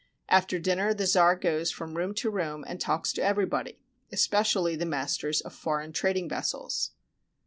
After dinner the czar goes from room to room and talks to everybody, especially with the masters of foreign trading vessels.